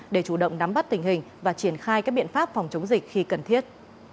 để chủ động nắm bắt tình hình và triển khai các biện pháp phòng chống dịch khi cần thiết